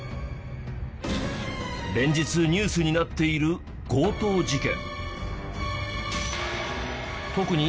連日ニュースになっている強盗事件。